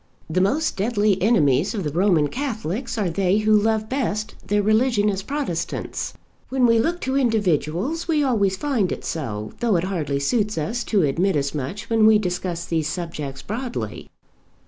The most deadly enemies of the Roman Catholics are they who love best their religion as Protestants. When we look to individuals we always find it so, though it hardly suits us to admit as much when we discuss these subjects broadly.